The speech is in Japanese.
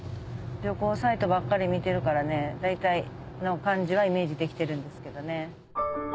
旅行サイトばっかり見てるから大体の感じはイメージできてるんですけどね。